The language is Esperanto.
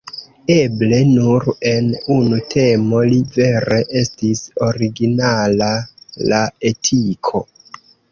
Eble nur en unu temo li vere estis originala: la etiko.